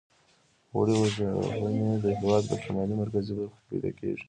وړۍ وژغنې د هېواد په شمالي مرکزي برخو کې پیداکیږي.